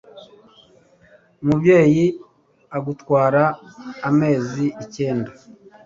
umubyeyi agutwara amezi icyenda